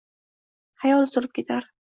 Xayol surib ketar